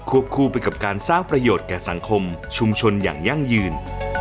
คู่ไปกับการสร้างประโยชน์แก่สังคมชุมชนอย่างยั่งยืน